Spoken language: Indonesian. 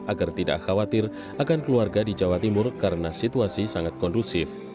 agar tidak khawatir akan keluarga di jawa timur karena situasi sangat kondusif